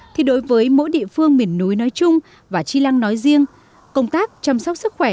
thì đối với mỗi địa phương miền núi nói chung và chi lăng nói riêng công tác chăm sóc sức khỏe